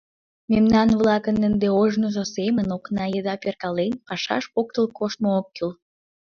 Мемнан-влакым ынде ожнысо семын, окна еда перкален, пашаш поктыл коштмо ок кӱл.